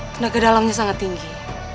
tenaga dalamnya sangat tinggi